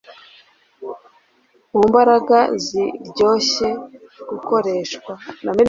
Mu mbaraga ziryoshye gukoreshwa